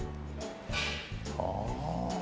ああ。